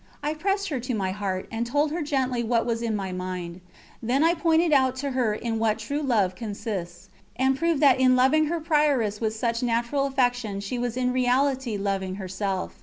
I pressed her to my heart, and told her gently what was in my mind; then I pointed out to her in what true love consists, and proved that in loving her Prioress with such natural affection she was in reality loving herself.